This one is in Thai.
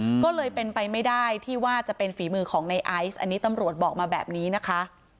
อืมก็เลยเป็นไปไม่ได้ที่ว่าจะเป็นฝีมือของในไอซ์อันนี้ตำรวจบอกมาแบบนี้นะคะ